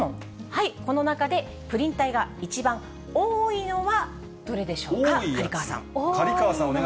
はい、この中で、プリン体が一番多いのはどれでしょうか。